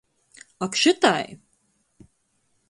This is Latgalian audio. Ak šytai!